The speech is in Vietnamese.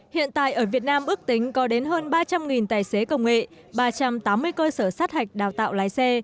hiện tại ở việt nam ước tính có đến hơn ba trăm linh tài xế công nghệ ba trăm tám mươi cơ sở sát hạch đào tạo lái xe